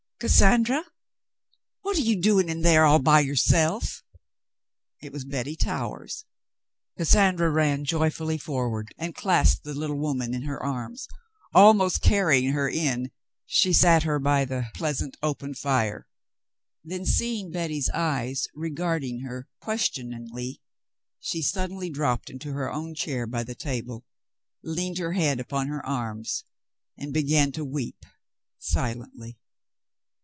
"Cassandra! What are you doing here all by yourself "^" It was Betty Towers. Cassandra ran joyfully forward and clasped the little woman in her arms. Almost carrying her in, she sat her by the pleasant open fire. Then, seeing Betty's eyes regarding her questioningly, she suddenly dropped into her ovn\ chair by the table, leaned her head upon her arms, and began to weep, silently.